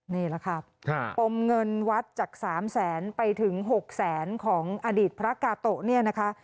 นี่แหละค่ะปมเงินวัดจาก๓แสนไปถึง๖แสนของอดีตพระกาโตะเนี่ยนะคะ